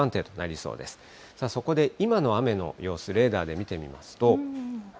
そこで今の雨の様子、レーダーで見てみますと。